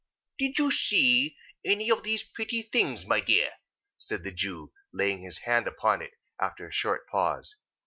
"Did you see any of these pretty things, my dear?" said the Jew, laying his hand upon it after a short pause.